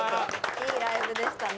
いいライブでしたね。